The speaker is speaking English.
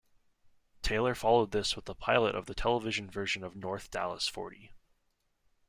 Taylor followed this with the pilot of the television version of "North Dallas Forty".